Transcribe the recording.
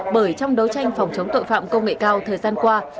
bởi trong đấu tranh phòng chống tội phạm công nghệ cao thời gian qua